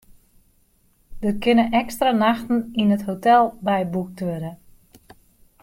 Der kinne ekstra nachten yn it hotel byboekt wurde.